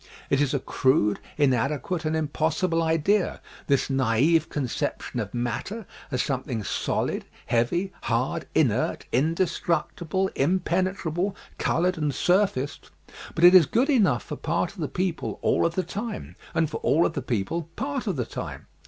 It is a crude, inadequate and impossible idea, this naive SCIENTIFIC VS. LEGAL LAWS 107 conception of matter as something solid, heavy, hard, inert, indestructible, impenetrable, colored and sur faced; but it is good enough for part of the people all of the time and for all of the people part of the time.